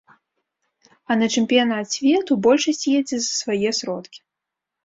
А на чэмпіянат свету большасць едзе за свае сродкі.